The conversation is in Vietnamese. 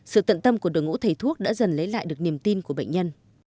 sự tận tâm của đội ngũ thầy thuốc đã dần lấy lại được niềm tin của bệnh nhân